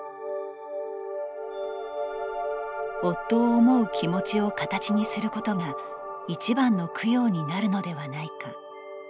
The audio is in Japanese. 夫を思う気持ちを形にすることがいちばんの供養になるのではないか。